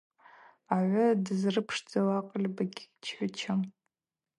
Агӏвы дызрыпшдзауа акъыльпӏ—йыгьчгӏвычам.